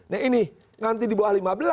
nah ini nanti di bawah lima belas